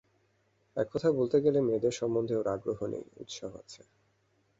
এক কথায় বলতে গেলে মেয়েদের সম্বন্ধে ওর আগ্রহ নেই, উৎসাহ আছে।